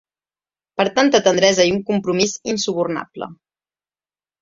Per tanta tendresa i un compromís insubornable.